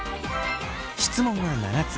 質問は７つ。